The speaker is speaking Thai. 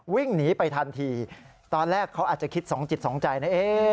วิ่งหนีไปทันทีตอนแรกเขาอาจจะคิดสองจิตสองใจนะ